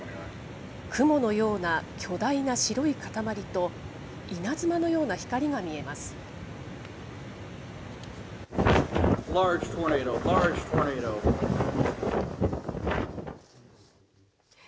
雲のような巨大な白い塊と、稲妻のような光が見えます。